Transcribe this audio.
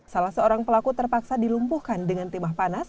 salah seorang pelaku terpaksa dilumpuhkan dengan timah panas